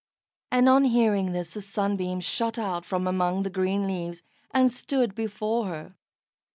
And, on hearing this, the Sunbeam shot out from among the green leaves, and stood before her.